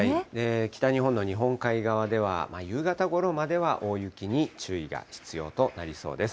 北日本の日本海側では夕方ごろまでは大雪に注意が必要となりそうです。